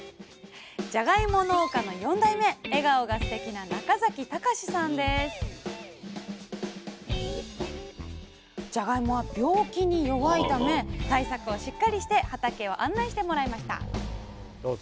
じゃがいも農家の４代目笑顔がすてきなじゃがいもは病気に弱いため対策をしっかりして畑を案内してもらいましたどうぞ。